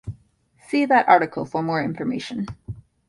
See that article for more information.